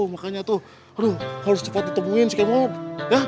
makanya tuh harus cepat ditemuin si kmt